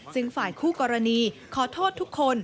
ซึ่งฝ่ายคู่กรณีขอโทษทุกคน